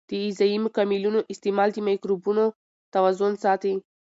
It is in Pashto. د غذایي مکملونو استعمال د مایکروبونو توازن ساتي.